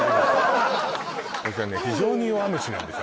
非常に弱虫なんです